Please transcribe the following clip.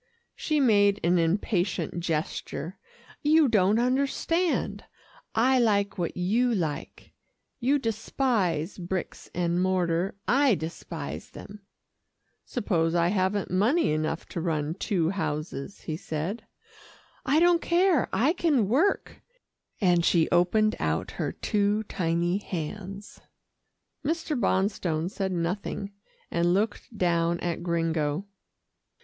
She made an impatient gesture. "You don't understand. I like what you like. You despise bricks and mortar, I despise them." "Suppose I haven't money enough to run two houses," he said. "I don't care I can work," and she opened out her two tiny hands. Mr. Bonstone said nothing, and looked down at Gringo.